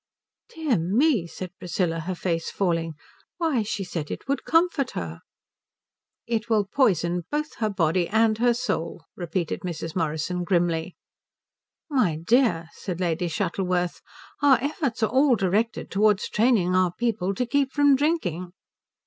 "Dear me," said Priscilla, her face falling. "Why, she said it would comfort her." "It will poison both her body and her soul," repeated Mrs. Morrison grimly. "My dear," said Lady Shuttleworth, "our efforts are all directed towards training our people to keep from drinking."